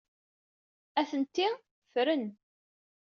Atenti ffren.